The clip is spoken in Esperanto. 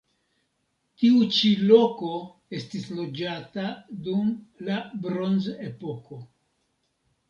Tiu ĉi loko estis loĝata dum la bronzepoko.